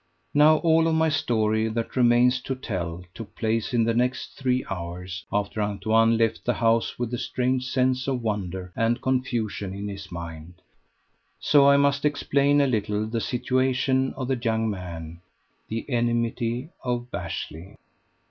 Now all of my story that remains to tell took place in the next three hours, after Antoine left the house with a strange sense of wonder and confusion in his mind; so I must explain a little the situation of the young man the enmity of Bashley.